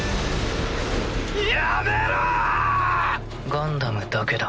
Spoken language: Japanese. ガンダムだけだ。